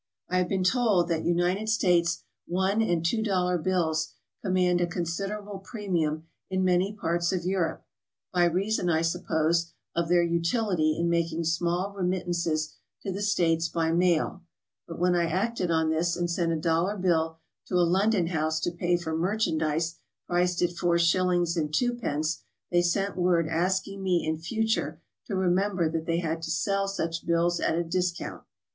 I have been told that United States one and tw'o dollar bills command a considerable premium in many parts of Europe, by reason, I suppose, of their utility in making small remittances to the States by mail, but when I acted on this and sent a dollar bill to a London house to pay for merchan dise priced at four shillings and two pence, they 'sent word asking me in future to remember that they had to sell such bills at a discount.